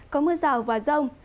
có mưa rào và rông